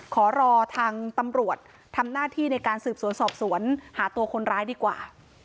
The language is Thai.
ขอรอทางตำรวจทำหน้าที่ในการสืบสวนสอบสวนหาตัวคนร้ายดีกว่า